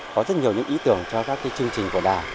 có rất nhiều những ý tưởng cho các chương trình của đảng